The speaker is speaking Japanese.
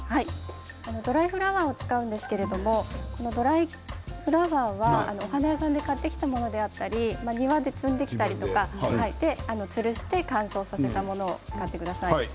ドライフラワーを使うんですけどもドライフラワーはお花屋さんで買ってきたものであったり庭で摘んできたりとかつるして乾燥させたものを使ってください。